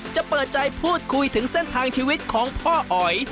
จะเปิดใจพูดคุยถึงเส้นทางชีวิตของพ่ออ๋อย